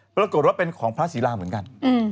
ปรากฏว่าเป็นของพระศิลาเหมือนกัน